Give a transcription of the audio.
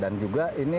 dan juga ini